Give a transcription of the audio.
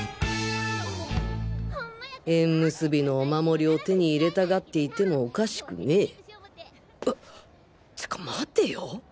縁結びのお守りを手に入れたがっていてもおかしくねぇえっ！ってか待てよ